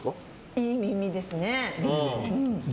いい耳ですね。